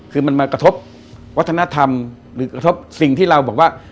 คือมันมากระทบวัฒนธรรมหรือกระทบสิ่งที่เราบอกว่า